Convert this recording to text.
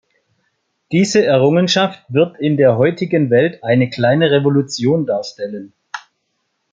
Diese Errungenschaft wird in der heutigen Welt eine kleine Revolution darstellen.